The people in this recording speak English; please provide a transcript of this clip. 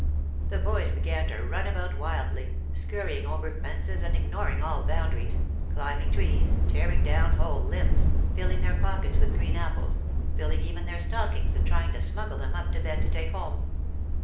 The boys began to run about wildly, scurrying over fences and ignoring all boundaries, climbing trees, tear ing down whole limbs, filling their pockets with green apples, filling even their stockings and trying to smuggle them up to bed to take home.